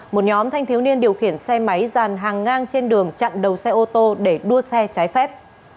một nhóm thanh thiếu niên điều khiển xe máy dàn hàng ngang trên đường chặn đầu xe ô tô để đua xe trái phép